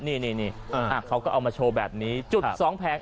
นี่เขาก็เอามาโชว์แบบนี้จุดสองแผง